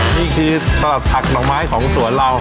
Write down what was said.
นี่คือสลัดผักหน่อไม้ของสวนเรา